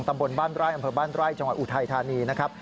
ตำบลบ้านไร่อำเภอบ้านไร่จังหวัดอุทัยธานีนะครับ